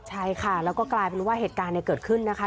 ใช่ค่ะแล้วก็กลายเป็นว่าเหตุการณ์เกิดขึ้นนะคะ